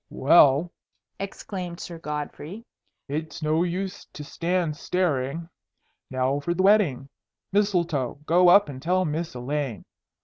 "Well," exclaimed Sir Godfrey, "it's no use to stand staring. Now for the wedding! Mistletoe, go up and tell Miss Elaine.